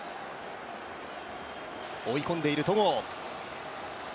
追い込んでいる戸郷。